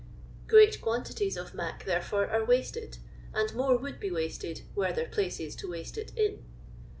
Great qoantities of "mac," therefore, are wasted ; and more would be wasted, were there places to waste it in.